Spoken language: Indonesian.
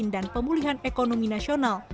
dan pemulihan ekonomi nasional